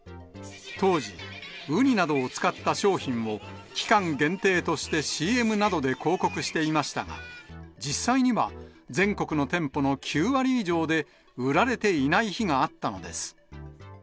当時、ウニなどを使った商品を期間限定としてＣＭなどで広告していましたが、実際には、全国の店舗の９割以上で売られていない日があったのです。